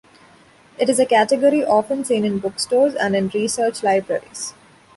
It is a category often seen in bookstores and in research libraries.